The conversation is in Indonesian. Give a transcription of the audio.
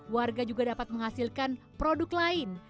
warga juga dapat menghasilkan produk lain